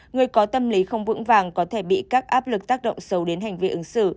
người có tâm lý không vững vàng có thể bị các áp lực tác động sâu đến hành vi ứng xử